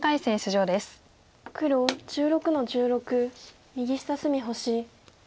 黒１６の十六右下隅星。